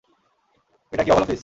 এটা কি Oval office?